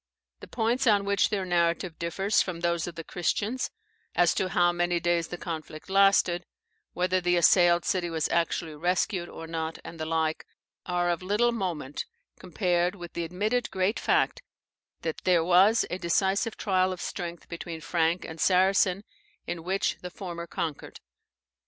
The points on which their narrative differs from those of the Christians, as to how many days the conflict lasted, whether the assailed city was actually rescued or not, and the like, are of little moment compared with the admitted great fact that there was a decisive trial of strength between Frank and Saracen, in which the former conquered.